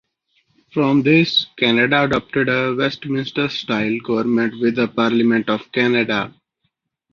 From this Canada adopted a Westminster style government with a Parliament of Canada.